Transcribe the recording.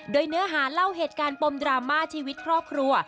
โดยเนื้อหาเล่าเหตุการณ์ปมดราม่าชีวิตครอบครัว